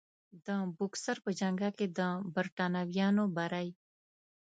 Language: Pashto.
د بوکسر په جنګ کې د برټانویانو بری.